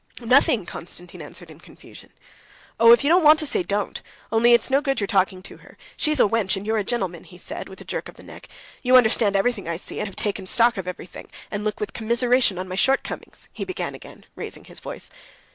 "Oh, nothing," Konstantin answered in confusion. "Oh, if you don't want to say, don't. Only it's no good your talking to her. She's a wench, and you're a gentleman," he said with a jerk of the neck. "You understand everything, I see, and have taken stock of everything, and look with commiseration on my shortcomings," he began again, raising his voice.